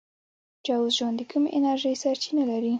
جوزجان د کومې انرژۍ سرچینه لري؟